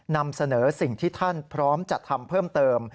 นำเสนอสิ่งที่ท่านพร้อมจะทำเพิ่มเติม